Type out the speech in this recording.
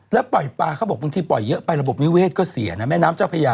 แล้วปล่อยปลาเขาบอกบางทีปล่อยเยอะไประบบนิเวศก็เสียนะแม่น้ำเจ้าพญา